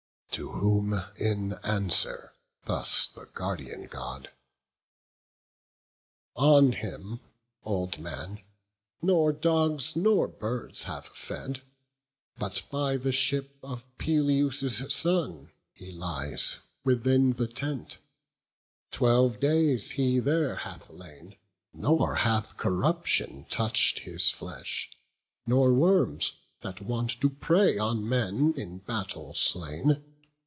To whom in answer thus the Guardian God: "On him, old man, nor dogs nor birds have fed, But by the ship of Peleus' son he lies Within the tent; twelve days he there hath lain, Nor hath corruption touch'd his flesh, nor worms, That wont to prey on men in battle slain.